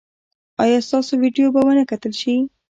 ایا ستاسو ویډیو به و نه کتل شي؟